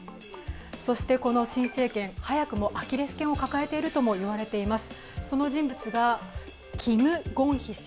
そして、この新政権、早くもアキレスけんを抱えているとも言われています。